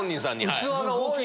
器が大きい！